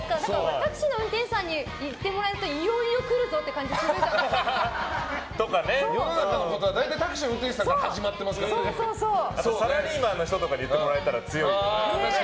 タクシーの運転手さんに言われるといよいよ来るぞって世の中のことは大体タクシーの運転手さんからサラリーマンの人とかに言ってもらえたら強いよね。